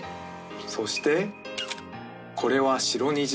そしてこれは白虹。